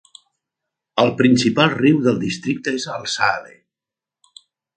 Els principal riu del districte és el Saale.